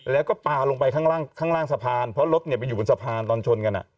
แล้วก็ปลาลงไปข้างล่างสะพานเพราะรถไปอยู่บนสะพานตอนชนกัน